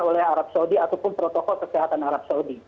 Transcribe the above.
oleh arab saudi ataupun protokol kesehatan arab saudi